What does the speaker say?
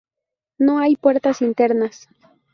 No hay puertas internas.